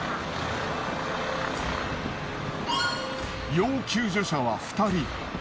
要救助者は２人。